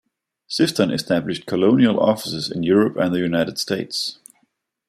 Sifton established colonial offices in Europe and the United States.